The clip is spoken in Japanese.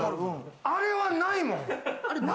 あれはないもん。